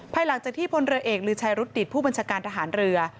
หลังจากที่พลเรือเอกลือชัยรุดดิตผู้บัญชาการทหารเรือ